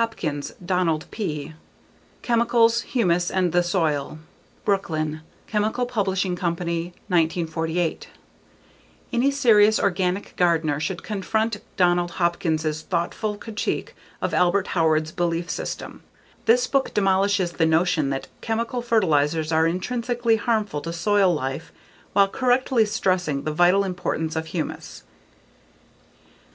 Hopkins, Donald P. Chemicals, Humus and the Soil. Brooklyn: Chemical Publishing Company, 1948. Any serious organic gardener should confront Donald Hopkins' thoughtful critique of Albert Howard's belief system. This book demolishes the notion that chemical fertilizers are intrinsically harmful to soil life while correctly stressing the vital importance of humus.